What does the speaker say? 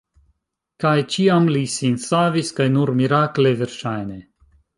Kaj ĉiam li sin savis kaj nur mirakle, verŝajne.